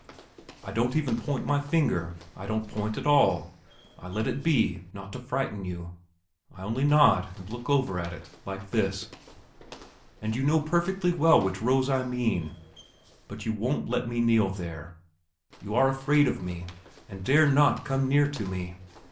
I don't even point with my finger. I don't point at all; I let it be, not to frighten you. I only nod and look over at it, like this! and you know perfectly well which rose I mean, but you won't let me kneel there. You are afraid of me, and dare not come near to me.